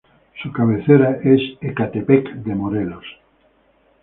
Su cabecera es Ecatepec de Morelos.